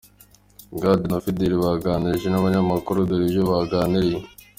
Gad, na Fidele baganiriye nabanyamakuru: Dore ibyo baganiriye.